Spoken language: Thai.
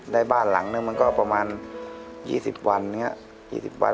ได้บ้านหลังนึงมันก็ประมาณยี่สิบวันอย่างเงี้ยยี่สิบวัน